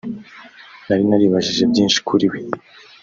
nari naribajije byinshi kuri we